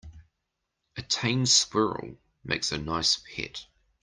A tame squirrel makes a nice pet.